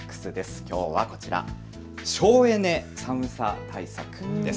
きょうはこちら、省エネ寒さ対策です。